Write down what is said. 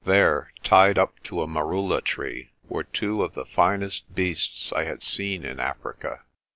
There, tied up to a merula tree, were two of the finest beasts I had seen in Africa.